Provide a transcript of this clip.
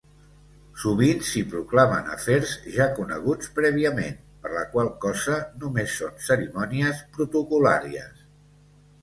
Sovint s'hi proclamen afers ja coneguts prèviament, per la qual cosa només són cerimònies protocol·làries.